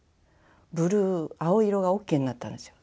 ブルー青色がＯＫになったんですよ。